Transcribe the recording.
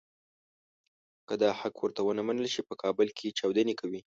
که دا حق ورته ونه منل شي په کابل کې چاودنې کوي.